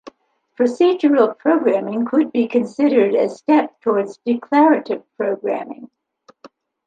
Procedural programming could be considered a step towards declarative programming.